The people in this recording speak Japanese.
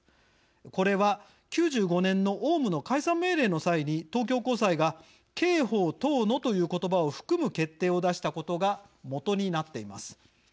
これは９５年のオウムの解散命令の際に東京高裁が「刑法等の」という言葉を含む決定を出したことが基になっています。